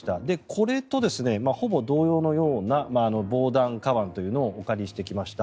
これとほぼ同様のような防弾かばんというのをお借りしてきました。